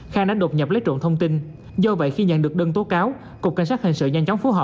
khang đã đột nhập lấy trộn thông tin do vậy khi nhận được đơn tố cáo cục cảnh sát hình sự nhanh chóng phối hợp